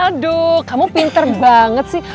aduh kamu pinter banget sih